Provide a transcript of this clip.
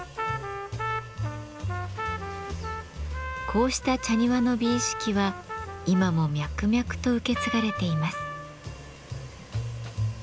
こうした茶庭の美意識は今も脈々と受け継がれています。